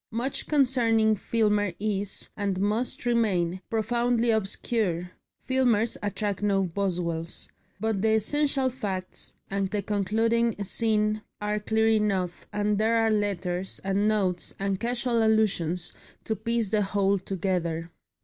Much concerning Filmer is, and must remain, profoundly obscure Filmers attract no Boswells but the essential facts and the concluding scene are clear enough, and there are letters, and notes, and casual allusions to piece the whole together.